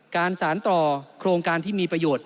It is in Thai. การสารต่อโครงการที่มีประโยชน์